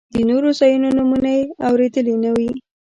د نورو ځایونو نومونه یې اورېدلي نه وي.